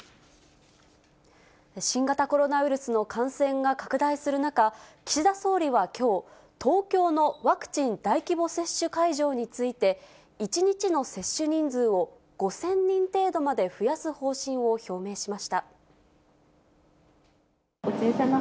新型コロナウイルスの感染が拡大する中、岸田総理はきょう、東京のワクチン大規模接種会場について、１日の接種人数を５０００人程度まで増やす方針を表明しました。